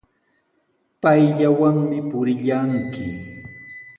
Payllawanmi purillanki.